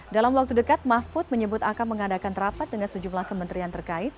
dalam waktu dekat mahfud menyebut akan mengadakan rapat dengan sejumlah kementerian terkait